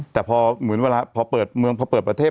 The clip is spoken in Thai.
แต่พอเหมือนเวลาพอเปิดเมืองพอเปิดประเทศ